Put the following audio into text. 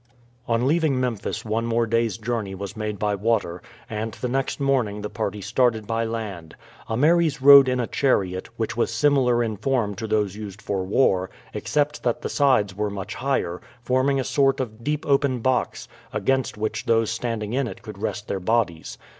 On leaving Memphis one more day's journey was made by water, and the next morning the party started by land. Ameres rode in a chariot, which was similar in form to those used for war, except that the sides were much higher, forming a sort of deep open box, against which those standing in it could rest their bodies.